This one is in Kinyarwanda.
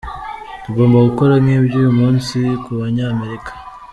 Tugomba gukora nk’ibyo uyu munsi ku Banyamerika.